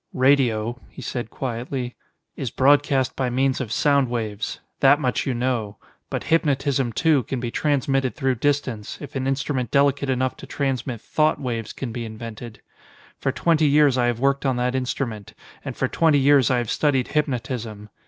"Radio," he said quietly, "is broadcast by means of sound waves. That much you know. But hypnotism too, can be transmitted through distance, if an instrument delicate enough to transmit thought waves can be invented. For twenty years I have worked on that instrument, and for twenty years I have studied hypnotism.